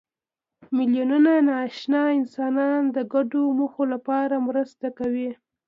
میلیونونه ناآشنا انسانان د ګډو موخو لپاره مرسته کوي.